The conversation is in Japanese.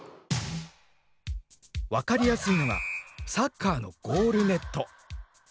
分かりやすいのがサッカーのゴールネット。